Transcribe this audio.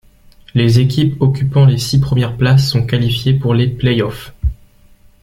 Les équipes occupant les six première places sont qualifiées pour les Playoffs.